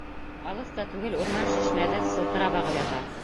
Алыҫ та түгел урман шишмәҙе сылтырап ағып ята.